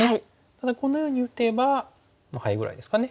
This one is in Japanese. ただこのように打てばまあハイぐらいですかね。